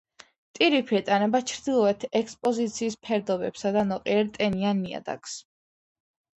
ტირიფი ეტანება ჩრდილოეთ ექსპოზიციის ფერდობებსა და ნოყიერ ტენიან ნიადაგს.